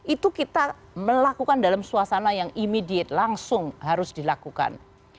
itu kita melakukan dalam suasana yang immediate langsung harus dilakukan